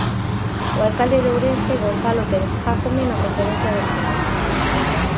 O alcalde de Ourense, Gonzalo Pérez Jácome, na conferencia de prensa.